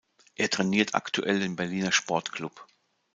Er trainiert aktuell den Berliner Sport-Club.